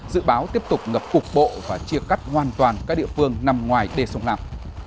dự báo tiếp tục ngập cục bộ và chia cắt hoàn toàn các địa phương nằm ngoài đê sông lam